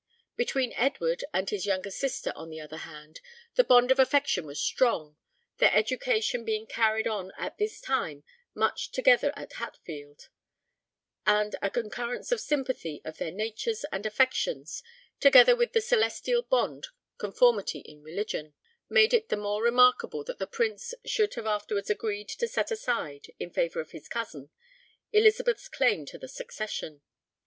Between Edward and his younger sister, on the other hand, the bond of affection was strong, their education being carried on at this time much together at Hatfield; and "a concurrence and sympathy of their natures and affections, together with the celestial bond, conformity in religion," made it the more remarkable that the Prince should have afterwards agreed to set aside, in favour of his cousin, Elizabeth's claim to the succession.